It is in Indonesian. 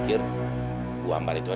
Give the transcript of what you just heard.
terus colocasi sama si metin sih